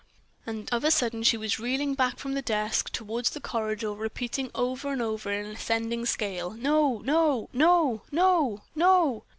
_ And of a sudden she was reeling back from the desk, toward the corridor door, repeating over and over on an ascending scale: _"No! no! no! no! no!"